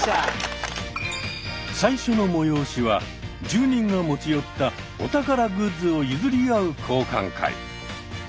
最初の催しは住人が持ち寄ったお宝グッズを譲り合う交換会。